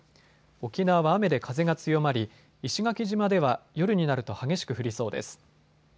沖縄は雨で風が強まり石垣島では夜になると激しく降りそうです。